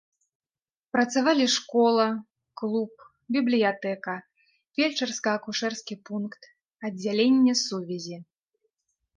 Працавалі школа, клуб, бібліятэка, фельчарска-акушэрскі пункт, аддзяленне сувязі.